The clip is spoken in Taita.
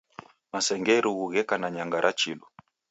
Masenge rughu gheka na nyanga ra chilu.